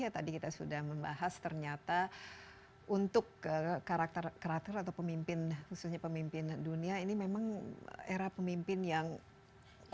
tadi kita sudah membahas ternyata untuk karakter karakter atau pemimpin khususnya pemimpin dunia ini memang era pemimpin yang sangat